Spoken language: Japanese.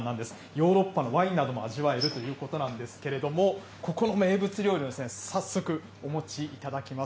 ヨーロッパのワインなども味わえるということなんですけれども、ここの名物料理を早速お持ちいただきます。